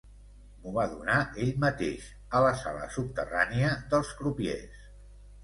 M'ho va donar ell mateix, a la sala subterrània dels crupiers.